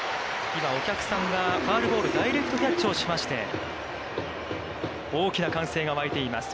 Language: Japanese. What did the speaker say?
今お客さんが、ファウルボール、ダイレクトキャッチをしまして大きな歓声が沸いています。